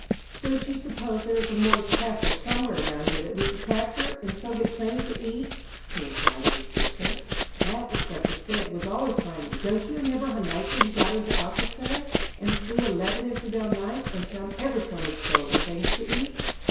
"Don't you suppose there is a Moorish castle somewhere around here that we could capture, and so get plenty to eat?" he inquired of his sister. "That is what the Cid was always finding. Don't you remember how nicely he got into Alcacer and slew eleven Infidel knights, and found ever so much gold and things to eat?